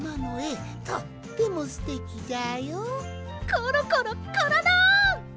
コロコロコロロ！